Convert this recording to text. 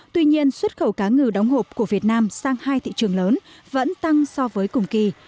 tuy nhiên xuất khẩu cá ngừ đóng hộp của việt nam sang hai thị trường lớn vẫn tăng so với cùng kỳ